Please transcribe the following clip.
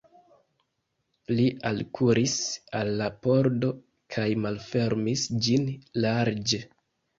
Li alkuris al la pordo kaj malfermis ĝin larĝe.